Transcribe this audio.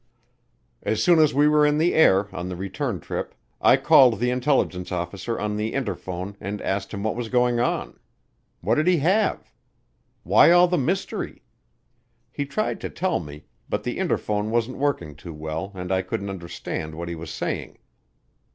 As soon as we were in the air, on the return trip, I called the intelligence officer on the interphone and asked him what was going on. What did he have? Why all the mystery? He tried to tell me, but the interphone wasn't working too well and I couldn't understand what he was saying.